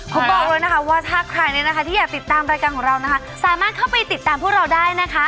คุณบอกเลยนะคะว่าถ้าใครที่อยากติดตามรายการของเราสามารถเข้าไปติดตามผู้เราได้นะคะ